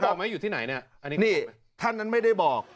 ออกไหมอยู่ที่ไหนเนี่ยอันนี้นี่ท่านนั้นไม่ได้บอก